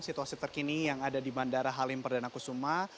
situasi terkini yang ada di bandara halim perdana kusuma